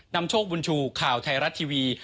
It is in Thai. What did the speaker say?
นำโชคบุญชูข่าวไทยรัฐทีวี